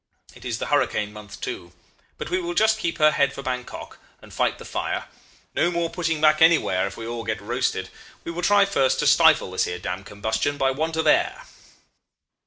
It is the hurricane month too; but we will just keep her head for Bankok, and fight the fire. No more putting back anywhere, if we all get roasted. We will try first to stifle this 'ere damned combustion by want of air.